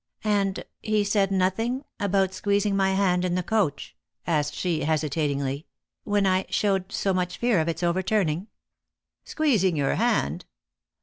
" And he said nothing about squeezing my hand in the coach," asked she, hesitatingly, " when I showed so much fear of its overturning?" " Squeezing your hand